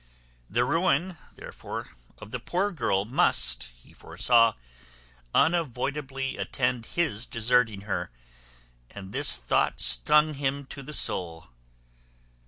The ruin, therefore, of the poor girl must, he foresaw, unavoidably attend his deserting her; and this thought stung him to the soul.